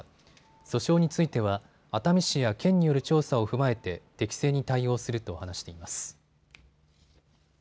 訴訟については熱海市や県による調査を踏まえて適正に対応すると話しています。